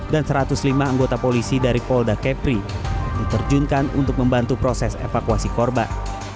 dan satu ratus lima anggota polisi dari polda kepri diterjunkan untuk membantu proses evakuasi korban